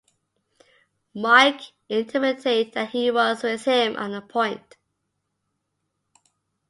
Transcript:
Mike intimated that he was with him on the point.